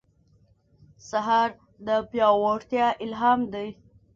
سهار د پیاوړتیا الهام دی.